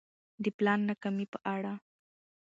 د پلان ناکامي په اړه